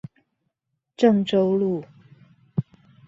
鄭州路